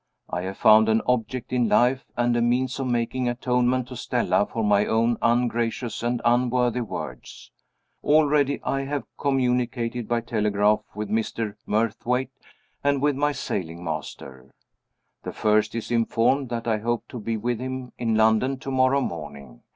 I have found an object in life, and a means of making atonement to Stella for my own ungracious and unworthy words. Already I have communicated by telegraph with Mr. Murthwaite and with my sailing master. The first is informed that I hope to be with him, in London, to morrow morning.